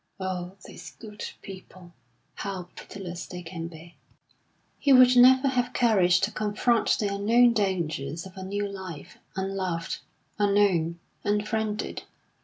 Oh, these good people, how pitiless they can be! He would never have courage to confront the unknown dangers of a new life, unloved, unknown, unfriended.